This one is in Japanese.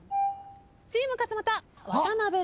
チーム勝俣渡辺さん。